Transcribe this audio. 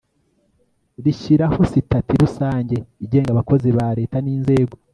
rishyiraho sitati rusange igenga abakozi ba leta n inzego